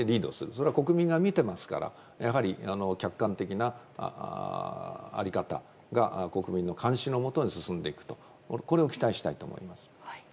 それは国民が見ていますから客観的な在り方が国民の監視のもと進んでいくということを期待したいと思います。